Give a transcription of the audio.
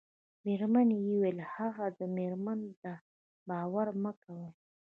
مېرمنې یې وویل: هغه د ده مېرمن ده، باور مه کوئ.